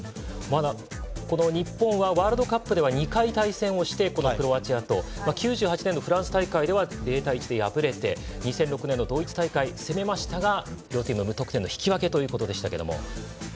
この日本はワールドカップ２回対戦をしてこのクロアチアと９８年のフランス大会では０対１で敗れて２００６年のドイツ大会攻めましたが両チーム無得点の引き分けということでしたけれども。